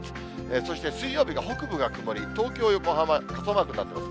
そして水曜日が北部が曇り、東京、横浜、傘マークになってます。